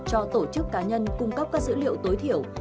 cho tổ chức cá nhân cung cấp các dữ liệu tối thiểu